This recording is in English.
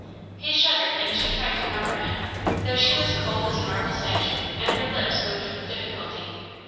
He shuddered, and she tried to comfort him, though she was cold as a marble statue and her lips moved with difficulty.